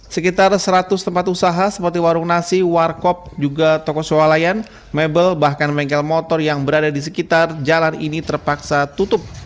sekitar seratus tempat usaha seperti warung nasi warkop juga toko swalayan mebel bahkan bengkel motor yang berada di sekitar jalan ini terpaksa tutup